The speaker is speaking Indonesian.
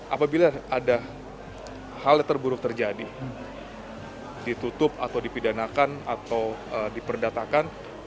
apabila ada hal yang terburuk terjadi ditutup atau dipidanakan atau diperdatakan